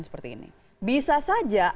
seperti ini bisa saja